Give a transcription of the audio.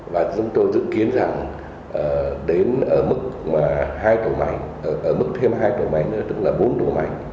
và chúng tôi dự kiến rằng đến ở mức hai tổ máy ở mức thêm hai tổ máy nữa tức là bốn tổ máy